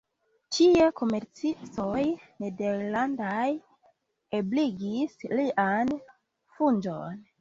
Tie komercistoj nederlandaj ebligis lian fuĝon.